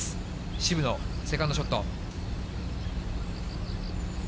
渋野、セカンドショット。